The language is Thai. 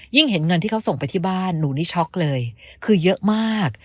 เห็นเงินที่เขาส่งไปที่บ้านหนูนี่ช็อกเลยคือเยอะมาก